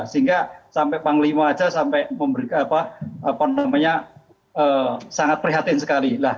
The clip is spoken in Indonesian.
sehingga sampai panglima saja sampai memberikan apa namanya sangat prihatin sekali